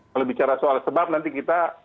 kalau bicara soal sebab nanti kita